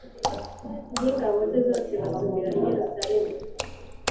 n ingabo ze zose basubira i Yerusalemu